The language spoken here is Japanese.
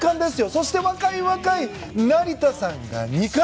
そして若い成田さんが２冠。